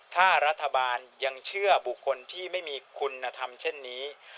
ถ้ารัฐบาลยังเชื่อบุคคลที่ไม่มีคุณธรรมเช่นนี้